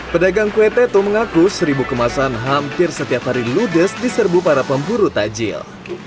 pedagang kue teto mengaku seribu kemasan hampir setiap hari ludes di serbu para pemburu tajil